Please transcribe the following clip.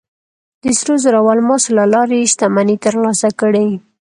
د سرو زرو او الماسو له لارې یې شتمنۍ ترلاسه کړې.